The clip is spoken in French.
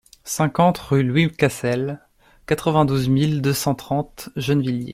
cinquante rue Louis Castel, quatre-vingt-douze mille deux cent trente Gennevilliers